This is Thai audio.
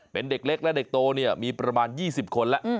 เป็นเด็กเล็กและเด็กโตเนี่ยมีประมาณ๒๐คนแล้ว